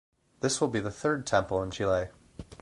This will be the third temple in Chile.